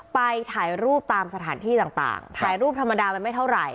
ไปถ่ายรูปตามสถานที่ต่างถ่ายรูปธรรมดามันไม่เท่าไหร่